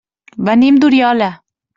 Venim d'Oriola.